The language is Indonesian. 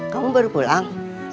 kamu baru pulang